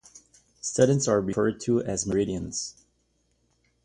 Students are referred to as Meridians.